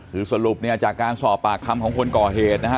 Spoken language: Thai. คือสรุปเนี่ยจากการสอบปากคำของคนก่อเหตุนะฮะ